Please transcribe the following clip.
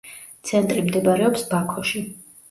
ცენტრი მდებარეობს ბაქოში.